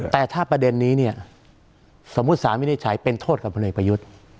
แต่ถ้าประเด็นนี้เนี่ยสมมุติสารวินิจฉัยเป็นโทษกับพลเอกประยุทธ์